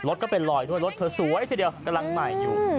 รถก็เป็นลอยด้วยรถเธอสวยทีเดียวกำลังใหม่อยู่